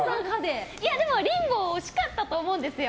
リンボー惜しかったと思うんですよ。